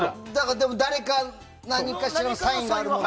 でも誰かの何かしらのサインがあるものが。